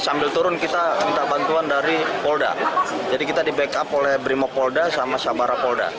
sambil turun kita minta bantuan dari polda jadi kita di backup oleh brimopolda sama sabara polda